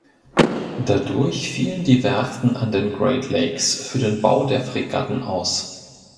Dadurch fielen die Werften an den Great Lakes für den Bau der Fregatten aus.